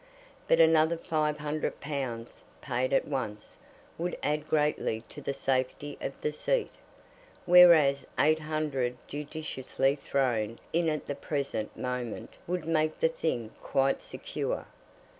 But another five hundred pounds, paid at once, would add greatly to the safety of the seat; whereas eight hundred judiciously thrown in at the present moment would make the thing quite secure.